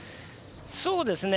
そうですね。